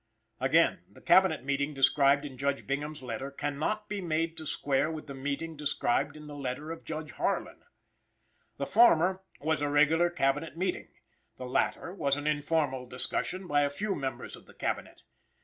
Again: the Cabinet meeting described in Judge Bingham's letter cannot be made to square with the meeting described in the letter of Judge Harlan. The former was a regular Cabinet meeting, the latter was an informal discussion by a few members of the Cabinet.